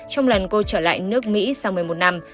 trong lần quay trở lại nước mỹ sau một mươi một năm